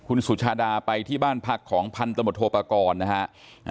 คุณสุชาดาไปที่บ้านพักของพันตรวจโทรปากรนะครับ